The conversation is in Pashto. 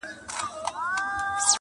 پر لویانو کشرانو باندي گران وو؛